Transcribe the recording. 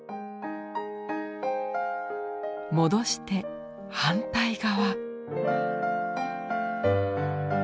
戻して反対側。